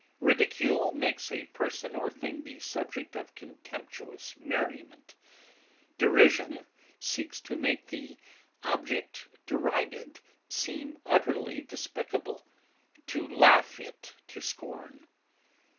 Ridicule makes a person or thing the subject of contemptuous merriment; derision seeks to make the object derided seem utterly despicable to laugh it to scorn.